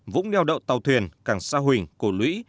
vũng neo đậu tàu thuyền cảng sa huỳnh cổ lũy